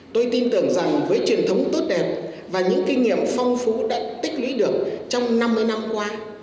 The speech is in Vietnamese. tôi tin tưởng rằng với truyền thống tốt đẹp và những kinh nghiệm phong phú đã tích lũy được trong năm mươi năm qua